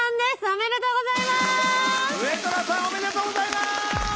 おめでとうございます！